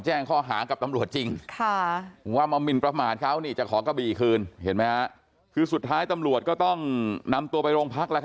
จำคู่ไม่เกินกี่บาทไม่เกินสองพันบาท